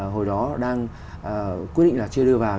hồi đó đang quyết định là chưa đưa vào